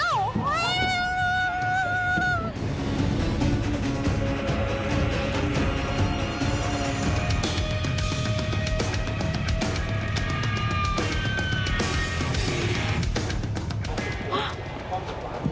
เฮ้ยเร็วเร็วเร็ว